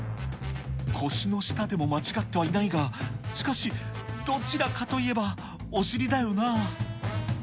腰の下でも間違ってはいないが、しかし、どちらかといえばお尻だよな。